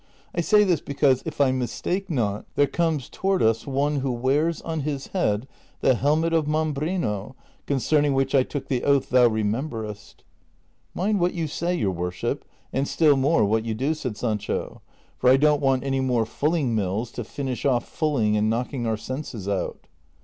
I say this because, if I mistake not, there conies toward us one who wears on his head the helmet of Mambrino, concerning which I took the oath thou remem berest." '•' Mind what you say, your worship, and still more what yo\i do," said Sancho, "■ for I don't want any more fulling mills to finish off fulling and knocking our senses out."